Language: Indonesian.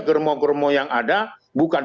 germo germo yang ada bukan